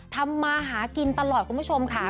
ทำมาหากินตลอดคุณผู้ชมค่ะ